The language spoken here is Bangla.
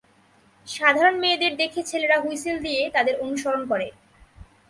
সাধারণর মেয়েদের দেখে ছেলেরা হুইসেল দিয়ে তাদের অনুসরণ করে।